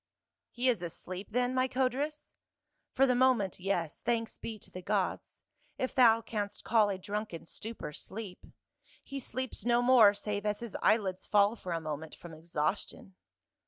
*' T TE is asleep then, my Codrus ?" XX " For the moment, yes — thanks be to the gods — if thou canst call a drunken stupor sleep. He sleeps no more save as his eyelids fall for a moment from exhaustion."